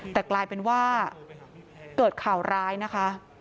แต่กลายเป็นว่าเกิดข่าวร้ายนะคะ